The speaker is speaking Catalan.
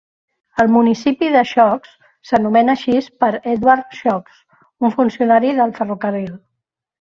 El municipi de Shooks s'anomena així per Edward Shooks, un funcionari del ferrocarril.